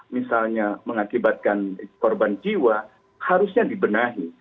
misalnya mengakibatkan korban jiwa harusnya dibenahi